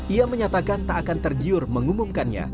ia menyatakan tak akan tergiur mengumumkannya